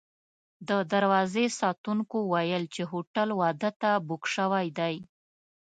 د دروازې ساتونکو ویل چې هوټل واده ته بوک شوی دی.